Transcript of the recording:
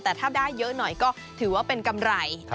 แต่ถ้าได้เยอะหน่อยก็ถือว่าเป็นกำไร